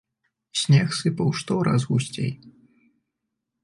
Снег сыпаў штораз гусцей.